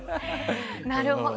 なるほど。